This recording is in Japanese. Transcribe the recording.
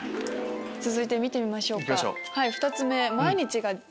続いて見てみましょうか。